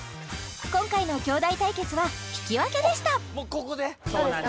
今回の兄弟対決は引き分けでしたどうですか？